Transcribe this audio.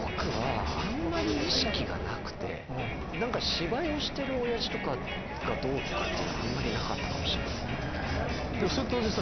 芝居をしてるおやじとかがどうとかっていうのはあんまりなかったかもしれないですね。